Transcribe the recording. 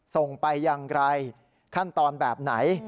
ส่งไปอย่างไรขั้นตอนแบบไหน